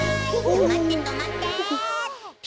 とまってとまって！